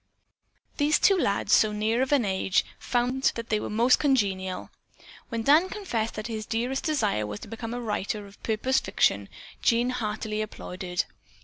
These two lads, so near of an age, found that they were most congenial. When Dan confessed that his dearest desire was to become a writer of purpose fiction, Jean heartily applauded.